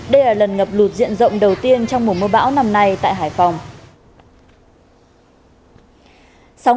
đây là lần ngập lụt diện rộng đầu tiên trong mùa mưa bão năm nay tại hải phòng